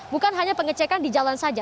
bukan hanya pengecekan di jalan saja